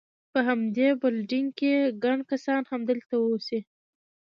په همدې بلډینګ کې، ګڼ کسان همدلته اوسي.